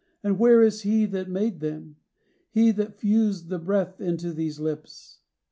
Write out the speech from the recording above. And where Is He that made them? He that fused the breath Into these lips?